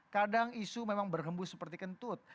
kadang isu memang berhembus seperti kentut